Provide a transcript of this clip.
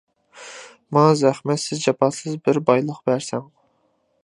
ماڭا زەخمەتسىز، جاپاسىز بىر بايلىق بەرسەڭ!